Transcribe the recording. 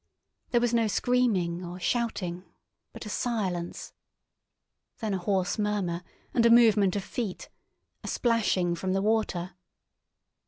There was no screaming or shouting, but a silence. Then a hoarse murmur and a movement of feet—a splashing from the water.